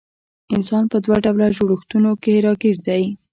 انسان په دوه ډوله جوړښتونو کي راګېر دی